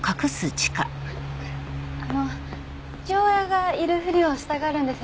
あの父親がいるふりをしたがるんです。